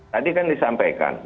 tadi kan disampaikan